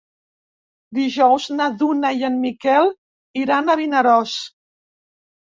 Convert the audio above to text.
Dijous na Duna i en Miquel iran a Vinaròs.